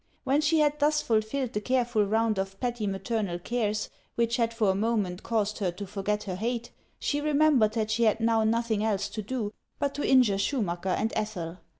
When she had thus fulfilled the careful round of petty maternal cares which had for n moment caused her to forget her hate, she remembered that she had now nothing else to do but to injure Schumacker and Ethel.